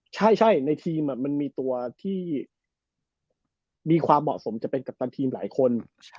ใช่ในทีมมันมีตัวที่มีความเหมาะสมจะเป็นกัปตันทีมหลายคน